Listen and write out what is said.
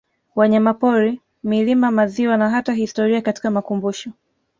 Wanyamapori milima maziwa na hata historia katika makumbusho